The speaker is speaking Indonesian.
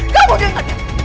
kamu denger ya